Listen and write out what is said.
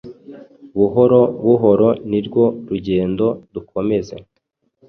Buhoro buhoro nirwo rugendo dukomeze.